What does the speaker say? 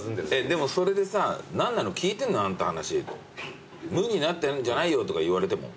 でもそれでさ「何なの聞いてんの？あんた話無になってるんじゃないよ」とか言われても？